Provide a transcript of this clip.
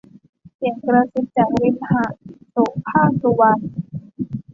เสียงกระซิบจากริมหาด - โสภาค สุวรรณ